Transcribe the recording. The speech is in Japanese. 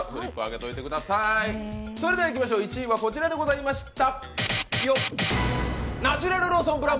いきましょう１位はこちらでございました。